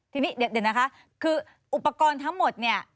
เดี๋ยวนะคะอุปกรณ์ทั้งหมดเนี่ย